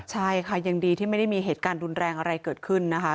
ใช่ค่ะยังดีที่ไม่ได้มีเหตุการณ์รุนแรงอะไรเกิดขึ้นนะคะ